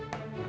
jangan lama ya